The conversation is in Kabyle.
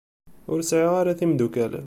Ur sɛiɣ ara timeddukal.